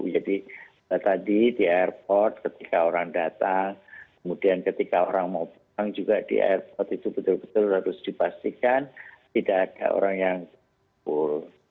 jadi tadi di airport ketika orang datang kemudian ketika orang mau pulang juga di airport itu betul betul harus dipastikan tidak ada orang yang kumpul